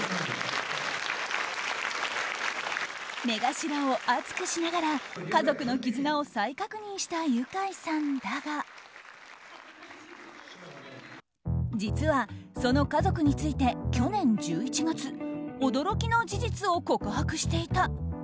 目頭を熱くしながら家族の絆を再確認したユカイさんだが実は、その家族について去年１１月驚きの事実を告白していた。